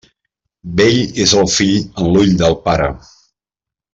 Bell és el fill en l'ull del pare.